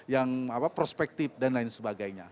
yang prospektif dan lain sebagainya